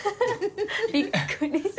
びっくりした。